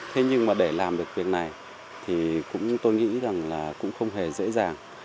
thế nhưng mà để làm được việc này thì tôi nghĩ rằng là cũng không hề dễ dàng